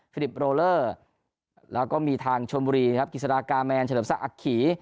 ลิปโรเลอร์แล้วก็มีทางชมบุรีครับกิจสดากาแมนเฉลิมศักดิ์อักขี